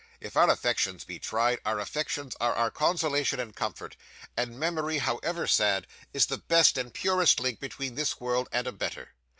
If our affections be tried, our affections are our consolation and comfort; and memory, however sad, is the best and purest link between this world and a better.